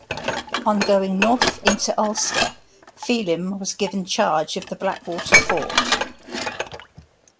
On going north into Ulster, Phelim was given charge of the Blackwater fort.